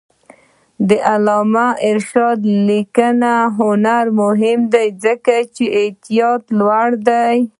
د علامه رشاد لیکنی هنر مهم دی ځکه چې احتیاط یې لوړ دی.